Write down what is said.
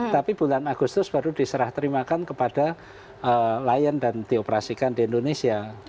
tapi bulan agustus baru diserah terimakan kepada lion dan dioperasikan di indonesia